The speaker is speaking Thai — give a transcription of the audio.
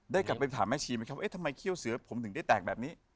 ได้กลับไปถามแม่ชีไหมครับเอ๊ะทำไมเขี้ยวเสือผมถึงได้แตกแบบนี้